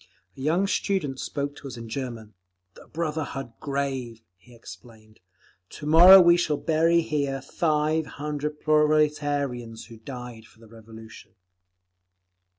A young student spoke to us in German. "The Brotherhood Grave," he explained. "To morrow we shall bury here five hundred proletarians who died for the Revolution."